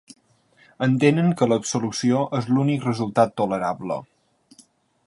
Entenen que l’absolució és l’únic resultat tolerable.